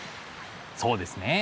そうですね。